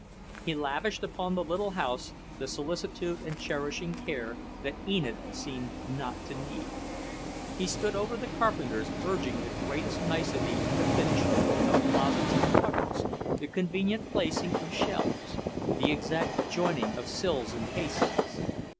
He lavished upon the little house the solicitude and cherishing care that Enid seemed not to need. He stood over the carpenters urging the greatest nicety in the finish of closets and cupboards, the convenient placing of shelves, the exact joining of sills and casings.